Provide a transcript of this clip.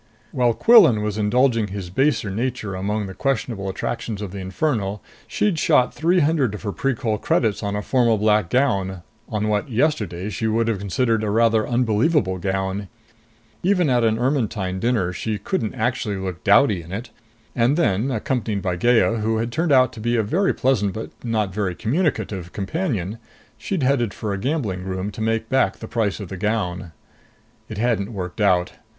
While Quillan was indulging his baser nature among the questionable attractions of the Inferno, she'd shot three hundred of her Precol credits on a formal black gown ... on what, yesterday, she would have considered a rather unbelievable gown. Even at an Ermetyne dinner she couldn't actually look dowdy in it. And then, accompanied by Gaya, who had turned out to be a very pleasant but not very communicative companion, she'd headed for a gambling room to make back the price of the gown. It hadn't worked out.